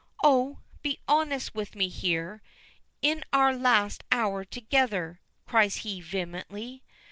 "Oh! be honest with me here, in our last hour together," cries he vehemently.